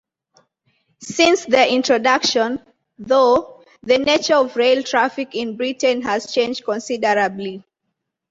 Since their introduction, though, the nature of rail traffic in Britain has changed considerably.